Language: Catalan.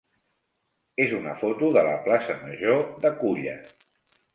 és una foto de la plaça major de Culla.